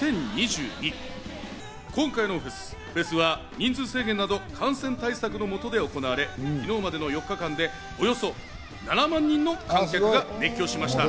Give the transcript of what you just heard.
今回のフェスは人数制限など感染対策の下で行われ、昨日までの４日間でおよそ７万人の観客が熱狂しました。